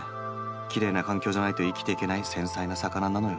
きれいな環境じゃないと生きていけない繊細な魚なのよ。